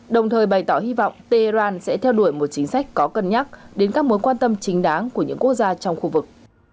đồng thời bày tỏ hy vọng tehran sẽ theo đuổi một chính sách có cân nhắc đến các mối quan tâm chính đáng của những quốc gia trong khu vực